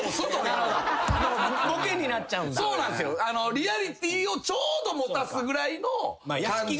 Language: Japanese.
リアリティーをちょうど持たすぐらいの感じ。